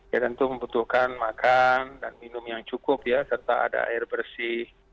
ya tentu membutuhkan makan dan minum yang cukup ya serta ada air bersih